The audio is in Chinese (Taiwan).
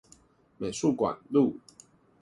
美術館路